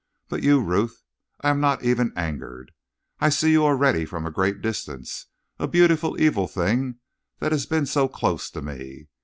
But you, Ruth! I am not even angered. I see you already from a great distance, a beautiful, evil thing that has been so close to me.